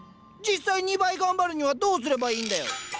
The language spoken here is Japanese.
実際２倍頑張るにはどうすればいいんだよ？